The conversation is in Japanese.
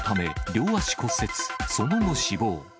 両足骨折、その後死亡。